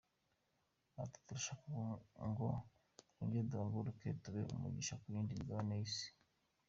Ati “Turashaka ngo twongere duhaguruke, tube umugisha ku yindi migabane y’Isi.